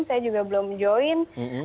saya juga belum join